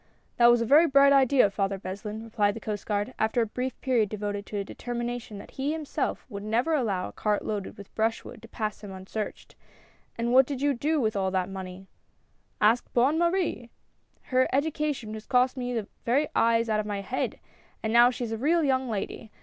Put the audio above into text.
"That was a very bright idea. Father Beslin," re plied the Coast Guard, after a brief period devoted to a determination that he himself would never allow a cart loaded with brush wood to pass him unsearched ; "and what did you do with all that money? "" Ask Bonne Marie ! Her education has cost me the very eyes out of my head; but now she is a real young lady.